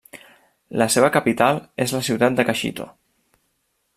La seva capital és la ciutat de Caxito.